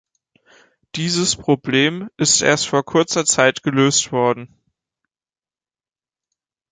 Dieses Problem ist erst vor kurzer Zeit gelöst worden.